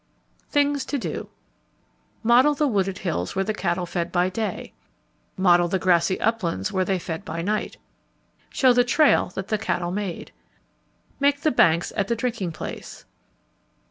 THINGS TO DO Model the wooded hills where the cattle fed by day. Model the grassy uplands where they fed by night. Show the trail that the cattle made. _Make the banks at the drinking place.